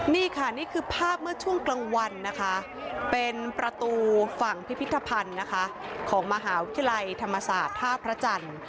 นี่ค่ะนี่คือภาพเมื่อช่วงกลางวันนะคะเป็นประตูฝั่งพิพิธภัณฑ์นะคะของมหาวิทยาลัยธรรมศาสตร์ท่าพระจันทร์